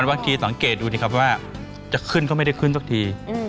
บางทีสังเกตดูสิครับว่าจะขึ้นก็ไม่ได้ขึ้นสักที